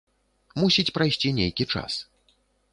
Мусіць прайсці нейкі час.